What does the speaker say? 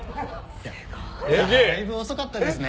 いや、だいぶ遅かったですね。